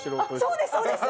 そうですそうです！